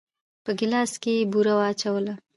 په ګيلاس کې يې بوره واچوله.